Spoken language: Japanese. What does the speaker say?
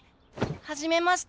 はじめまして。